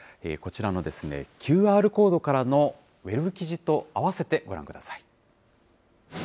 こちらのＱＲコードからのウェブ記事と合わせてご覧ください。